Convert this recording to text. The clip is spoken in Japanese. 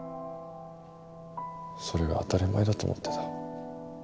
それが当たり前だと思ってた。